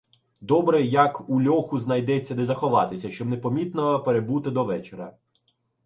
Добре, як у льоху знайдеться, де заховатися, щоб непомітно перебути до вечора.